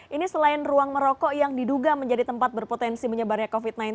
ini selain ruang merokok yang diduga menjadi tempat berpotensi menyebarnya covid sembilan belas